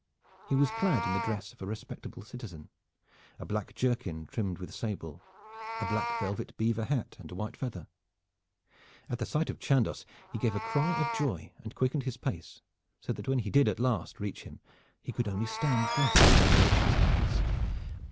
He was clad in the dress of a respectable citizen, a black jerkin trimmed with sable, a black velvet beaver hat and a white feather. At the sight of Chandos he gave a cry of joy and quickened his pace so that when he did at last reach him he could only stand gasping and waving his hands.